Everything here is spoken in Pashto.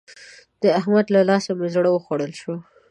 د احمد له لاسه مې زړه وخوړل شو.